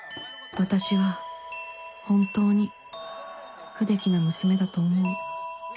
私は本当に不出来な娘だと思う